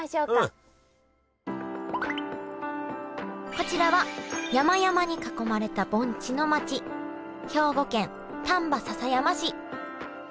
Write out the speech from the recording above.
こちらは山々に囲まれた盆地の町兵庫県丹波篠山市。